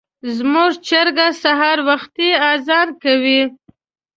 زموږ چرګه سهار وختي اذان کوي.